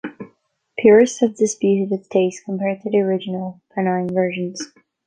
Purists have disputed its taste compared to the original Penang versions.